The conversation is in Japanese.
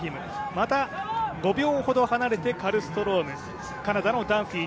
また、５秒ほど離れてカルストローム、カナダのダンフィー。